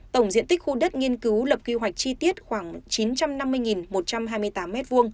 tổng diện tích khu đất nghiên cứu lập quy hoạch chi tiết khoảng chín trăm năm mươi một trăm hai mươi tám m hai